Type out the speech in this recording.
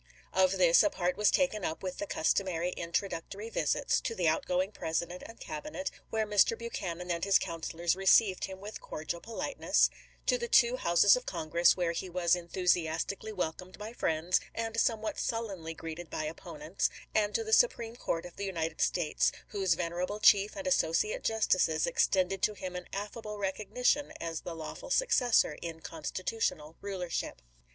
Of this a part was taken up with the customary introductory visits — to the outgoing President and Cabinet, where Mr. Buchanan and his councilors received him with cordial politeness; to the two Houses of Congress, where he was enthusiastically welcomed by friends and somewhat sullenly greeted by opponents; and to the Supreme Court of the United States, whose venerable chief and associate justices extended to him an affable recognition as the lawful successor in constitutional rulership.